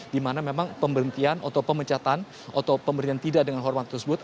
di mana memang pemberhentian atau pemecatan atau pemberhentian tidak dengan hormat tersebut